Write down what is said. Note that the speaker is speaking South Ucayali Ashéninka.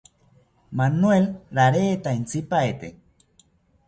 Manuel rareta intzipaete